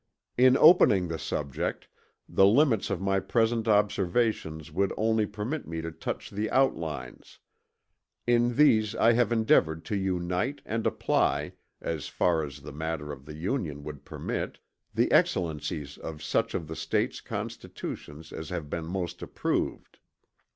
In opening the subject, the limits of my present observations would only permit me to touch the outlines; in these I have endeavored to unite and apply, as far as the nature of our Union would permit, the excellencies of such of the States' Constitutions as have been most approved.